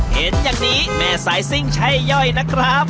เห็นอย่างนี้แม่สายซิ่งใช่ย่อยนะครับ